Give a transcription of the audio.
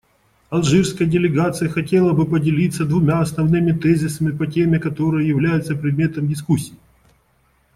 Алжирская делегация хотела бы поделиться двумя основными тезисами по теме, которая является предметом дискуссии.